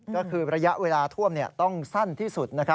ก็คือระยะเวลาท่วมต้องสั้นที่สุด